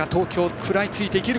食らいついていけるか。